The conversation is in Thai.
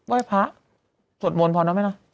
ไหว้พระสวดมนต์พอแล้วไหมล่ะ